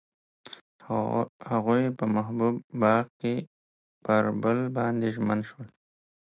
هغوی په محبوب باغ کې پر بل باندې ژمن شول.